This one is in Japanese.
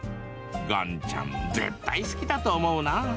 岩ちゃん、絶対好きだと思うな。